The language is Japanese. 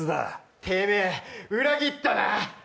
てめぇ、裏切ったな。